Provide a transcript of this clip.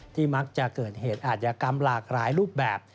มักจะเกิดเหตุอาจยากรรมหลากหลายรูปแบบ